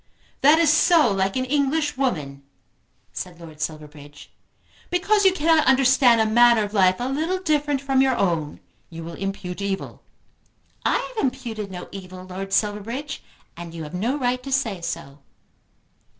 "That is so like an English woman," said Lord Silverbridge. "Because you cannot understand a manner of life a little different from your own you will impute evil." "I have imputed no evil, Lord Silverbridge, and you have no right to say so."